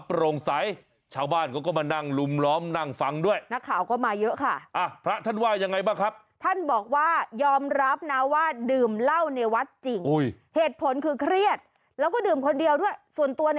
ปวงใส้ชาวบ้านก็มานั่งลุ้มล้อมนั่งฟังด้วยและข่าก็มาเยอะค่ะพระท่านว่า